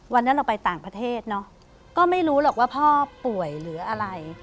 วันนั้นเราไปต่างประเทศเนอะก็ไม่รู้หรอกว่าพ่อป่วยหรืออะไร